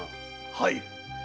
はい。